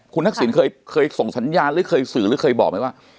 คุณทักษิณเคยส่งสัญญาณหรือเคยสื่อหรือเคยบอกไหมว่า